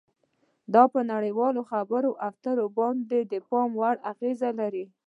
دا په نړیوالو خبرو اترو باندې د پام وړ اغیزه لري